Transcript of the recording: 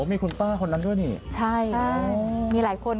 มีคุณป้าคนนั้นด้วยนี่ใช่มีหลายคน